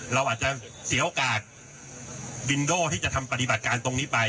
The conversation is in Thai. เราอาจจะเสียโอกาสบินโดที่จะทำปฏิบัติการตรงนี้ไป